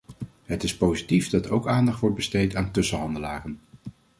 Het is positief dat ook aandacht wordt besteed aan tussenhandelaren.